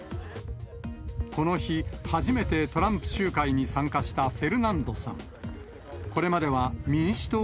この日、初めてトランプ集会に参加したフェルナンドさん。